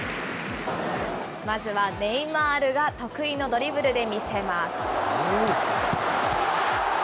まずはネイマールが得意のドリブルで見せます。